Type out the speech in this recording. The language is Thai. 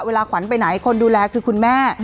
เวลาขวัญไปไหนคนดูแลคือคุณแม่